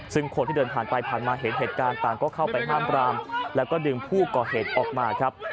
ซึ่งคนที่เดินผ่านไปผ่านมาเห็นเหตุการณ์ต่างก็เข้าไปห้ามปรามแล้วก็ดึงผู้ก่อเหตุออกมาครับ